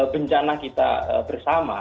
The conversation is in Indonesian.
bencana kita bersama